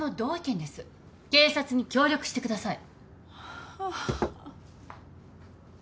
警察に協力してください。ああ。